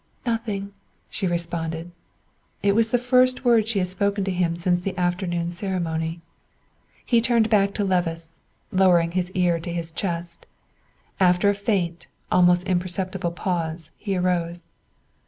"Nothing," she responded. It was the first word she had spoken to him since the afternoon ceremony. He turned back to Levice, lowering his ear to his chest. After a faint, almost imperceptible pause he arose.